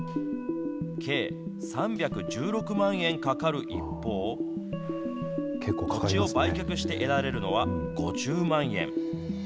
計３１６万円かかる一方、土地を売却して得られるのは５０万円。